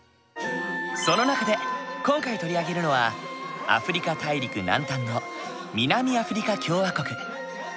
その中で今回取り上げるのはアフリカ大陸南端の南アフリカ共和国。